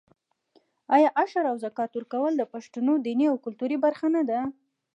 آیا عشر او زکات ورکول د پښتنو دیني او کلتوري برخه نه ده؟